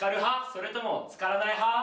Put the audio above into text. それともつからない派？